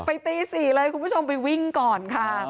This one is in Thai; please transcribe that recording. ตี๔เลยคุณผู้ชมไปวิ่งก่อนค่ะ